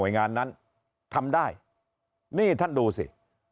งานนั้นทำได้นี่ท่านดูสิ